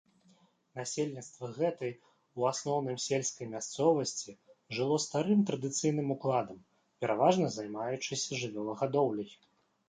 Насельніцтва гэтай, у асноўным сельскай мясцовасці, жыло старым традыцыйным укладам, пераважна займаючыся жывёлагадоўляй.